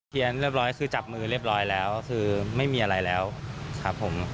เรียบร้อยคือจับมือเรียบร้อยแล้วคือไม่มีอะไรแล้วครับผม